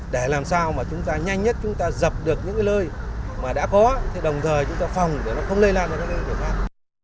để làm sao mà chúng ta nhanh nhất chúng ta dập được những lơi mà đã có thì đồng thời chúng ta phòng để nó không lây lan sang người khác